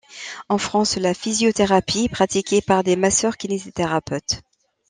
En France, la physiothérapie est pratiquée par des masseurs-kinésithérapeutes.